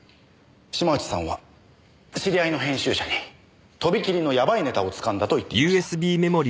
島内さんは知り合いの編集者にとびきりのやばいネタをつかんだと言っていました。